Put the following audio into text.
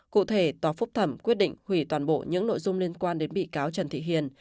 cụ thể tòa phúc thẩm quyết định hủy toàn bộ những nội dung liên quan đến bị cáo trần thị hiền